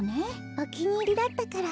おきにいりだったから。